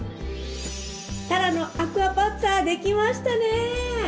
たらのアクアパッツァできましたね！